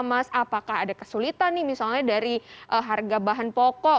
mas apakah ada kesulitan nih misalnya dari harga bahan pokok